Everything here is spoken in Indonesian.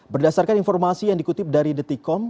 berdasarkan informasi yang dikutip dari detikom